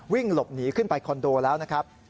วิ่งหลบหนีขึ้นไปคอนโดแล้วนะครับ